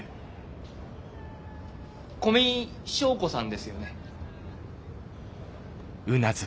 古見硝子さんですよね？